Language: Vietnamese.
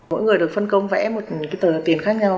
mỗi người được phân công vẽ một cái tờ tiền khác nhau